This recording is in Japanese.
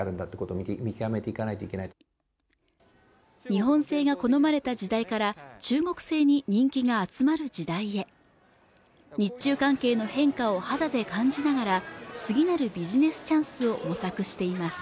日本製が好まれた時代から中国製に人気が集まる時代へ日中関係の変化を肌で感じながら次なるビジネスチャンスを模索しています